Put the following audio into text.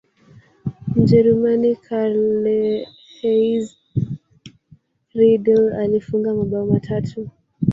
mjerumani karlheinz riedle alifunga mabao matatu